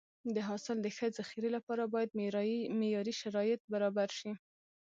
د حاصل د ښه ذخیرې لپاره باید معیاري شرایط برابر شي.